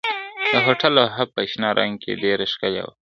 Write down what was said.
د هوټل لوحه په شنه رنګ کې ډېره ښکلې وه.